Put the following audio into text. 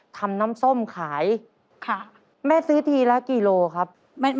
ทำน้ำส้มขายแม่ซื้อทีละกี่โลครับโอ้ค่ะ